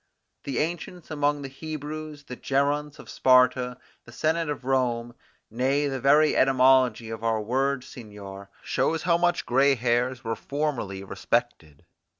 The ancients among the Hebrews, the Geronts of Sparta, the Senate of Rome, nay, the very etymology of our word seigneur, show how much gray hairs were formerly respected.